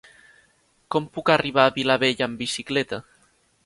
Com puc arribar a Vilabella amb bicicleta?